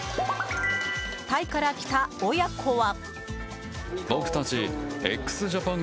タイから来た親子は。